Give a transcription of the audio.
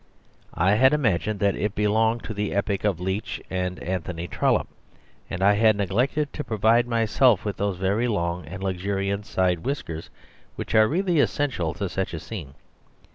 I had imagined that it belonged to the epoch of Leach and Anthony Trollope, and I had neglected to provide myself with those very long and luxuriant side whiskers which are really essential to such a scene.